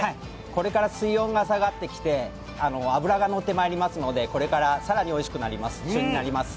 これから水温が下がってきて脂が乗ってまいりますのでこれから更においしくなります、旬になります。